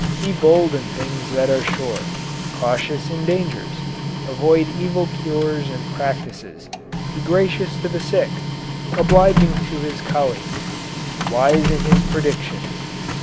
Be bold in things that are sure, cautious in dangers; avoid evil cures and practices; be gracious to the sick, obliging to his colleagues, wise in his predictions.